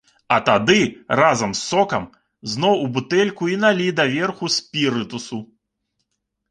А тады, разам з сокам, зноў у бутэльку і налі даверху спірытусу.